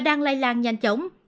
đang lây lan nhanh chóng